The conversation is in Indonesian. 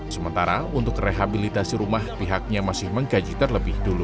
sementara untuk rehabilitasi rumah pihaknya masih mengkaji terlebih dulu